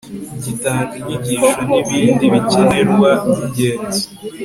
gitanga inyigisho n ibindi bikenerwa by ingenzi